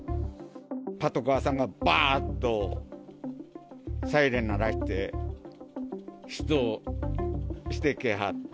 パトカーさんがばーっと、サイレン鳴らして、出動してきはって。